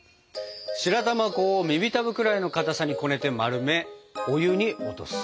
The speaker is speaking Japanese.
白玉粉を耳たぶぐらいのかたさにこねて丸めお湯に落とす。